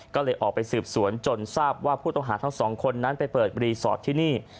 ก็เลยออกไปสืบสวนจนทราบว่าผู้ต้องหาทั้งสองคนนั้นไปเปิดรีสอร์ทที่นี่